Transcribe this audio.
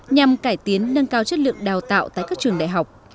nhằm cải tiến nâng cao chất lượng đào tạo tại các trường đại học